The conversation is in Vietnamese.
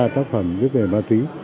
ba tác phẩm viết về ma túy